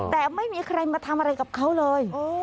แต่ไม่มีใครมาทำอะไรกับเขาเลย